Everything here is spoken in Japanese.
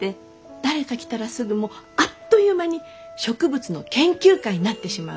誰か来たらすぐもうあっという間に植物の研究会になってしまうんです。